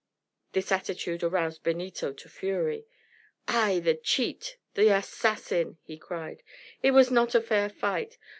This attitude aroused Benito to fury. "Ay, the cheat! the assassin!" he cried. "It was not a fair fight.